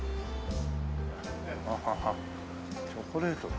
はあはあはあチョコレートだ。